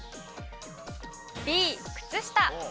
Ｂ、靴下。